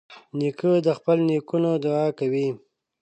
نیکه د خپلو نیکونو دعا کوي.